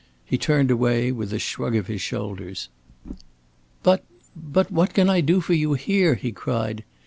He turned away with a shrug of his shoulders. "But but what can I do for you here?" he cried.